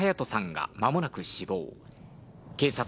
がまもなく死亡。